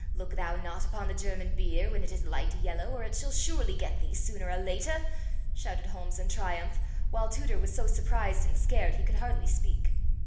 Look thou not upon the German beer when it is light yellow, or it shall surely get thee, sooner or later!" shouted Holmes in triumph, while Tooter was so surprised and scared he could hardly speak.